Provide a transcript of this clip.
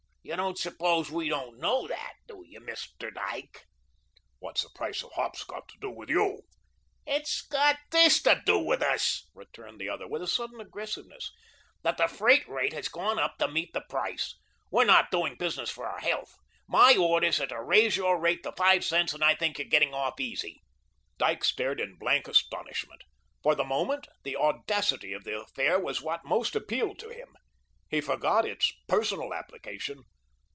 You don't suppose we don't know that, do you, Mr. Dyke?" "What's the price of hops got to do with you?" "It's got THIS to do with us," returned the other with a sudden aggressiveness, "that the freight rate has gone up to meet the price. We're not doing business for our health. My orders are to raise your rate to five cents, and I think you are getting off easy." Dyke stared in blank astonishment. For the moment, the audacity of the affair was what most appealed to him. He forgot its personal application.